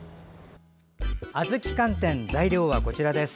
あずき寒天材料はこちらです。